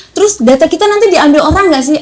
terus data kita nanti diambil orang gak sih